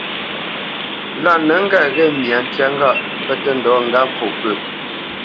Lâ nə ŋgât ghê myǎ ntyá ŋgâʼ pə́ tə́ ndɔ̌ ŋgât mfó pə.